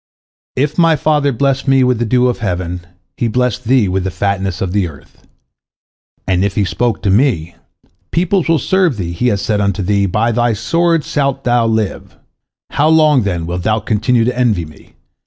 If my father blessed me with the dew of heaven, he blessed thee with the fatness of the earth, and if he spoke to me, Peoples will serve thee, he hath said unto thee, By thy sword shalt thou live. How long, then, wilt thou continue to envy me?